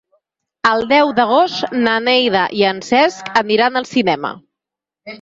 El deu d'agost na Neida i en Cesc aniran al cinema.